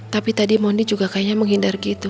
tapi tadi mony juga kayaknya menghindar gitu